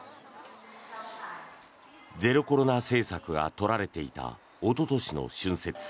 ゼロコロナ政策が取られていたおととしの春節。